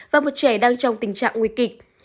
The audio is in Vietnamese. và một trẻ đang trong tình trạng nguy kịch